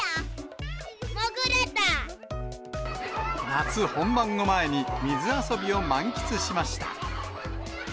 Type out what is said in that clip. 夏本番を前に、水遊びを満喫しました。